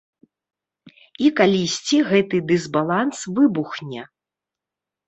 І калісьці гэты дысбаланс выбухне.